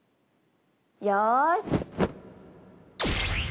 よし！